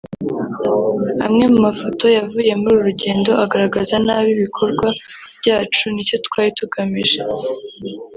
amwe mu mafoto yavuye muri uru rugendo agaragaza nabi ibikorwa byacu n’icyo twari tugamije